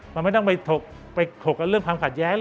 มันไม่ต้องไปถกกันเรื่องความขัดแย้ง